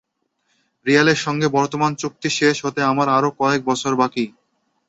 রিয়ালের সঙ্গে বর্তমান চুক্তি শেষ হতে আমার আরও কয়েক বছর বাকি।